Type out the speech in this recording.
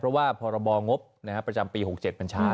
เพราะว่าพรบงบประจำปี๖๗มันช้า